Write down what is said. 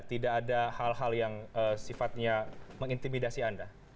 tidak ada hal hal yang sifatnya mengintimidasi anda